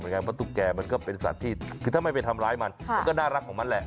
เพราะตุ๊กแก่มันก็เป็นสัตว์ที่คือถ้าไม่ไปทำร้ายมันมันก็น่ารักของมันแหละ